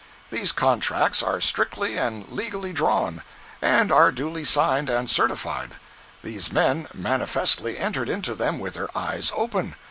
These contracts are strictly and legally drawn, and are duly signed and certified. These men manifestly entered into them with their eyes open.